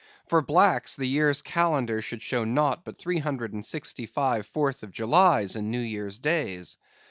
For blacks, the year's calendar should show naught but three hundred and sixty five Fourth of Julys and New Year's Days.